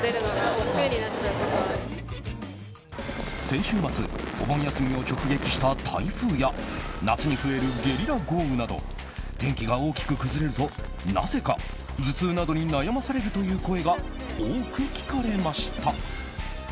先週末お盆休みを直撃した台風や夏に増えるゲリラ豪雨など天気が大きく崩れるとなぜか頭痛などに悩まされるという声が多く聞かれました。